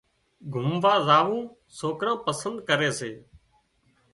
گھمووا زاوون سوڪران پسندي ڪري سي